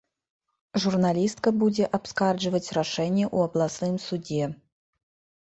Журналістка будзе абскарджваць рашэнне ў абласным судзе.